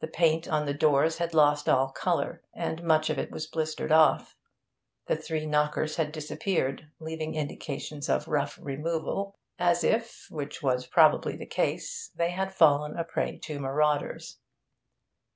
The paint on the doors had lost all colour, and much of it was blistered off; the three knockers had disappeared, leaving indications of rough removal, as if which was probably the case they had fallen a prey to marauders.